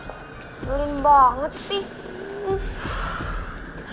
keren banget sih